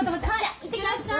行ってらっしゃい。